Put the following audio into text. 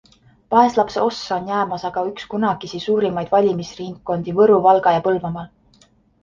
Vaeslapse ossa on jäämas aga üks kunagisi suurimaid valimisringkondi Võru-, Valga- ja Põlvamaal.